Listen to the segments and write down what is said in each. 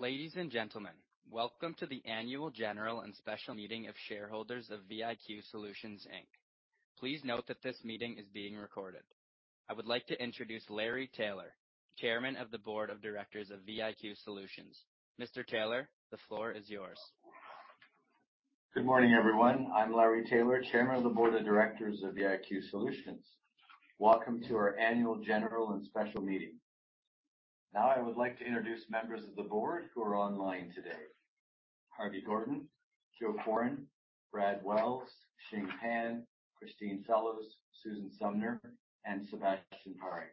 Ladies and gentlemen, welcome to the annual general and special meeting of shareholders of VIQ Solutions, Inc. Please note that this meeting is being recorded. I would like to introduce Larry Taylor, Chairman of the Board of Directors of VIQ Solutions. Mr. Taylor, the floor is yours. Good morning, everyone. I'm Larry Taylor, Chairman of the Board of Directors of VIQ Solutions. Welcome to our annual general and special meeting. Now, I would like to introduce members of the board who are online today. Harvey Gordon, Joseph Quarin, Brad Wells, Shing Pan, Christine Fellows, Susan Sumner, and Sebastien Paré.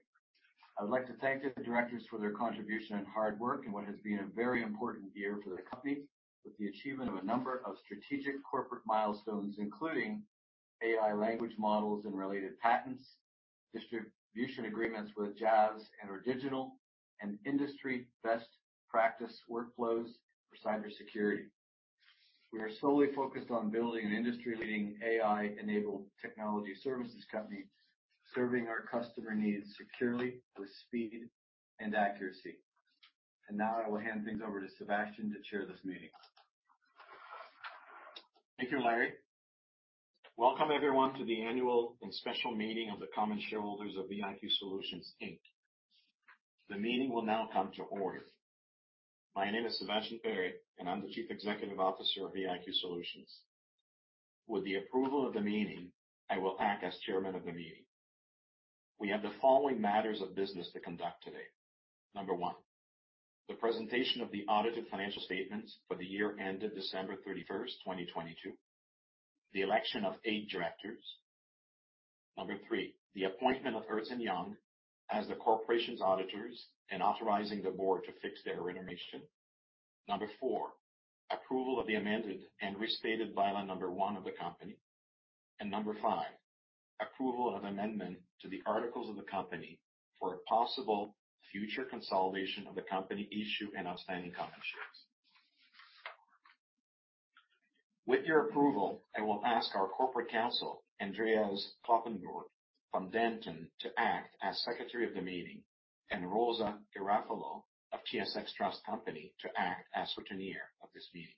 I would like to thank the directors for their contribution and hard work in what has been a very important year for the company with the achievement of a number of strategic corporate milestones, including AI language models and related patents, distribution agreements with JAVS and/or digital and industry best practice workflows for cybersecurity. We are solely focused on building an industry-leading AI-enabled technology services company, serving our customer needs securely with speed and accuracy. Now, I will hand things over to Sebastien to chair this meeting. Thank you, Larry. Welcome everyone, to the annual and special meeting of the common shareholders of VIQ Solutions, Inc. The meeting will now come to order. My name is Sebastien Paré, and I'm the Chief Executive Officer of VIQ Solutions. With the approval of the meeting, I will act as chairman of the meeting. We have the following matters of business to conduct today. Number 1, the presentation of the audited financial statements for the year ended December 31, 2022. The election of eight directors. Number 3, the appointment of Ernst & Young as the corporation's auditors and authorizing the board to fix their remuneration. Number 4, approval of the amended and restated bylaw number 1 of the company. Number 5, approval of amendment to the articles of the company for a possible future consolidation of the company issue and outstanding common shares. With your approval, I will ask our corporate counsel, Andreas Kloppenborg from Dentons, to act as secretary of the meeting, and Rosa Garofalo of TSX Trust Company to act as scrutineer of this meeting.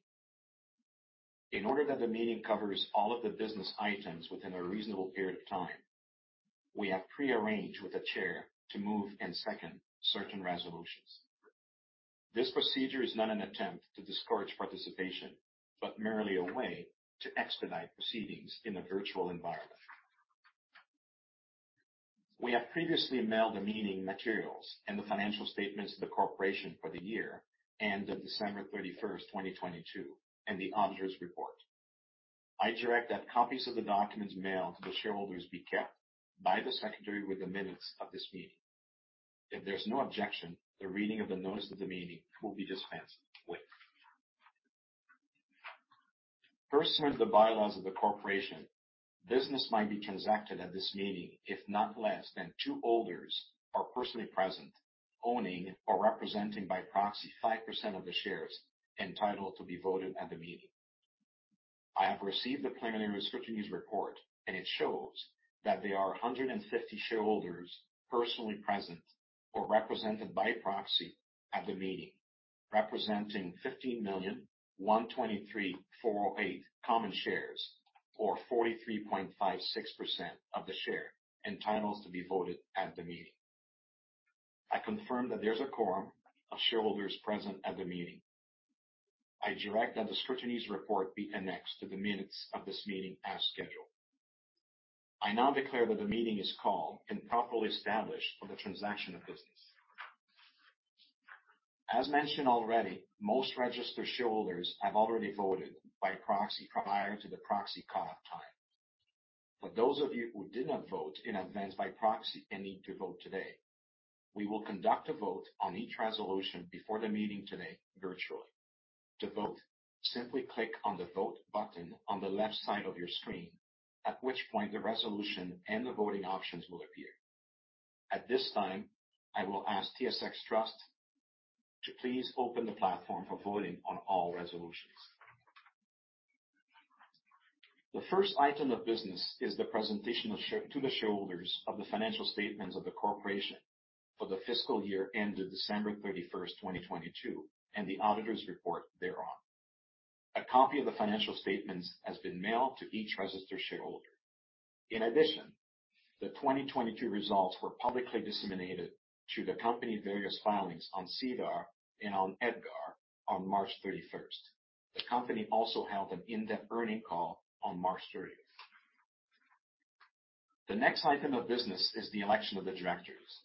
In order that the meeting covers all of the business items within a reasonable period of time, we have pre-arranged with the chair to move and second certain resolutions. This procedure is not an attempt to discourage participation, but merely a way to expedite proceedings in a virtual environment. We have previously mailed the meeting materials and the financial statements of the corporation for the year end of December 31, 2022, and the auditor's report. I direct that copies of the documents mailed to the shareholders be kept by the secretary with the minutes of this meeting. If there's no objection, the reading of the notice of the meeting will be dispensed with. Pursuant to the bylaws of the corporation, business might be transacted at this meeting if not less than two holders are personally present, owning or representing by proxy 5% of the shares entitled to be voted at the meeting. I have received the preliminary scrutineers report, and it shows that there are 150 shareholders personally present or represented by proxy at the meeting, representing 15,123,408 common shares or 43.56% of the share entitled to be voted at the meeting. I confirm that there's a quorum of shareholders present at the meeting. I direct that the scrutineers report be annexed to the minutes of this meeting as scheduled. I now declare that the meeting is called and properly established for the transaction of business. As mentioned already, most registered shareholders have already voted by proxy prior to the proxy cutoff time. For those of you who did not vote in advance by proxy and need to vote today, we will conduct a vote on each resolution before the meeting today virtually. To vote, simply click on the Vote button on the left side of your screen, at which point the resolution and the voting options will appear. At this time, I will ask TSX Trust Company to please open the platform for voting on all resolutions. The first item of business is the presentation to the shareholders of the financial statements of the corporation for the fiscal year ended December 31, 2022, and the auditor's report thereon. A copy of the financial statements has been mailed to each registered shareholder. In addition, the 2022 results were publicly disseminated to the company various filings on SEDAR and on EDGAR on March 31. The company also held an in-depth earnings call on March 30. The next item of business is the election of the directors.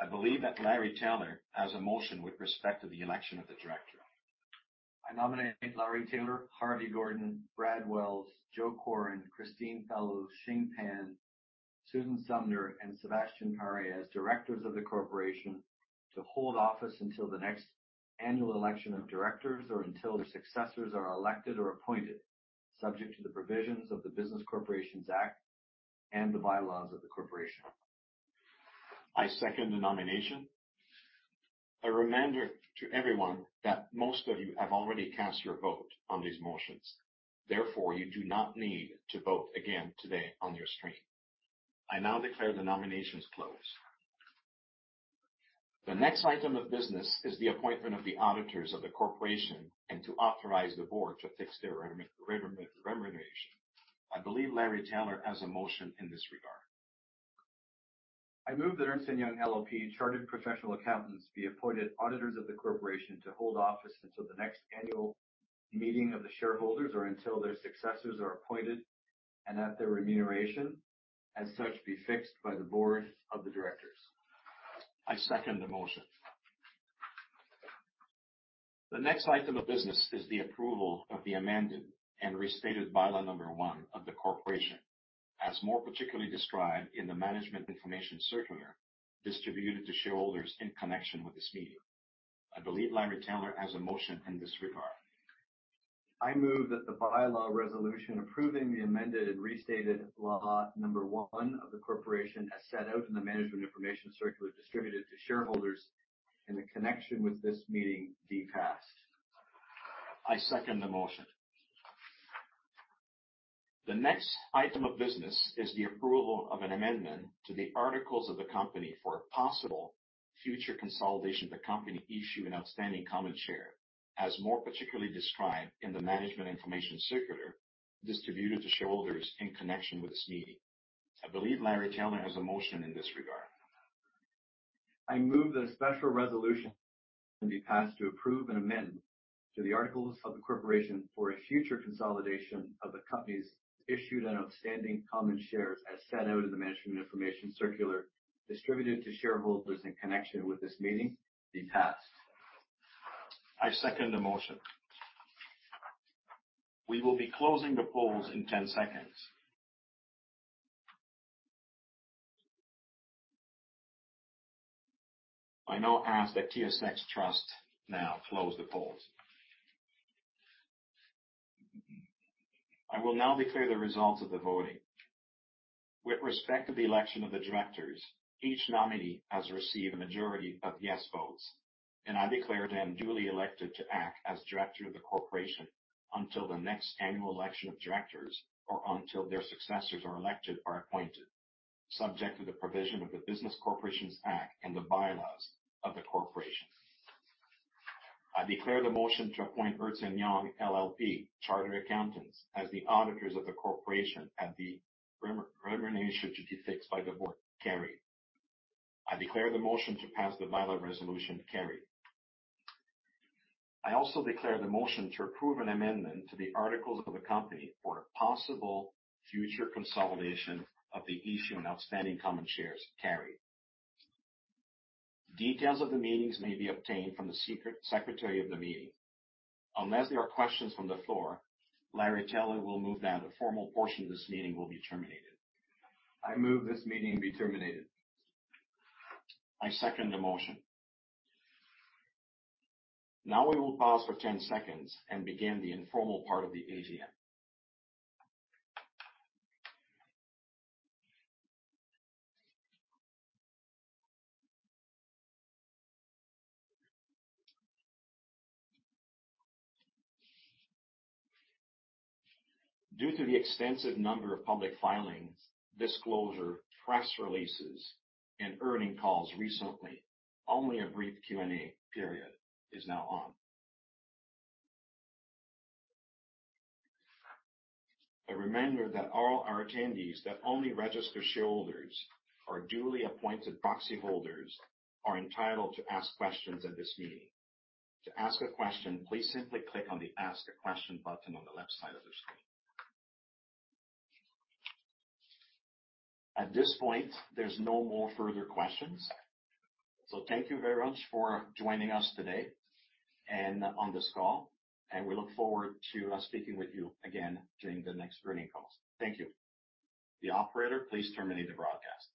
I believe that Larry Taylor has a motion with respect to the election of the directors. I nominate Larry Taylor, Harvey Gordon, Brad Wells, Joseph Quarin, Christine Fellows, Shing Pan, Susan Sumner, and Sebastien Paré as directors of the corporation to hold office until the next annual election of directors or until their successors are elected or appointed, subject to the provisions of the Business Corporations Act and the bylaws of the corporation. I second the nomination. A reminder to everyone that most of you have already cast your vote on these motions. Therefore, you do not need to vote again today on your screen. I now declare the nominations closed. The next item of business is the appointment of the auditors of the corporation and to authorize the board to fix their remuneration. I believe Larry Taylor has a motion in this regard. I move that Ernst & Young LLP Chartered Professional Accountants be appointed auditors of the corporation to hold office until the next annual meeting of the shareholders or until their successors are appointed, and that their remuneration as such be fixed by the board of the directors. I second the motion. The next item of business is the approval of the amended and restated bylaw number 1 of the corporation, as more particularly described in the management information circular distributed to shareholders in connection with this meeting. I believe Larry Taylor has a motion in this regard. I move that the bylaw resolution approving the amended and restated law number 1 of the corporation, as set out in the management information circular distributed to shareholders in the connection with this meeting, be passed. I second the motion. The next item of business is the approval of an amendment to the articles of the company for a possible future consolidation of the company issue and outstanding common share, as more particularly described in the management information circular distributed to shareholders in connection with this meeting. I believe Larry Taylor has a motion in this regard. I move that a special resolution be passed to approve an amendment to the articles of incorporation for a future consolidation of the company's issued and outstanding common shares as set out in the management information circular distributed to shareholders in connection with this meeting be passed. I second the motion. We will be closing the polls in 10 seconds. I now ask that TSX Trust now close the polls. I will now declare the results of the voting. With respect to the election of the directors, each nominee has received a majority of yes votes, and I declare them duly elected to act as director of the corporation until the next annual election of directors or until their successors are elected or appointed, subject to the provision of the Business Corporations Act and the bylaws of the corporation. I declare the motion to appoint Ernst & Young LLP chartered accountants as the auditors of the corporation and the remuneration to be fixed by the board carried. I declare the motion to pass the bylaw resolution carried. I also declare the motion to approve an amendment to the articles of the company for a possible future consolidation of the issue and outstanding common shares carried. Details of the meetings may be obtained from the secretary of the meeting. Unless there are questions from the floor, Larry Taylor will move. Now the formal portion of this meeting will be terminated. I move this meeting be terminated. I second the motion. We will pause for 10 seconds and begin the informal part of the AGM. Due to the extensive number of public filings, disclosure, press releases, and earnings calls recently, only a brief Q&A period is now on. A reminder that all our attendees that only registered shareholders or duly appointed proxy holders are entitled to ask questions at this meeting. To ask a question, please simply click on the Ask a Question button on the left side of your screen. At this point, there's no more further questions. Thank you very much for joining us today and on this call, and we look forward to speaking with you again during the next earnings calls. Thank you. The operator, please terminate the broadcast.